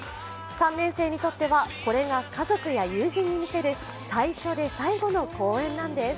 ３年生にとってはこれが家族や友人に見せる最初で最後の公演なんです。